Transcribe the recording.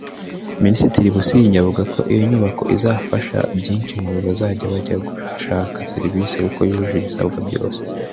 Minisitiri Busingye avuga ko iyo nyubako izafasha byinshi mu bazajya bajya kuhashaka serivise kuko yujuje ibisabwa byose